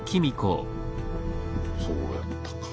そうやったか。